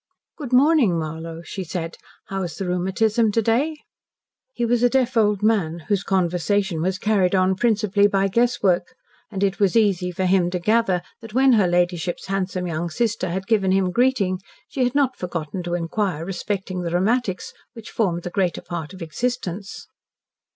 "Good morning, Marlow," he said. "How is the rheumatism to day?" He was a deaf old man, whose conversation was carried on principally by guesswork, and it was easy for him to gather that when her ladyship's handsome young sister had given him greeting she had not forgotten to inquire respecting the "rheumatics," which formed the greater part of existence.